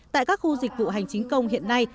tại các khu dịch vụ hành chính công hiện nay